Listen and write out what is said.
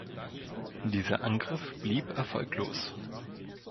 Dieser Angriff blieb erfolglos.